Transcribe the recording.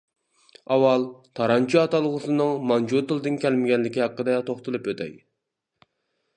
ئاۋۋال «تارانچى» ئاتالغۇسىنىڭ مانجۇ تىلىدىن كەلمىگەنلىكى ھەققىدە توختىلىپ ئۆتەي.